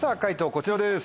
こちらです。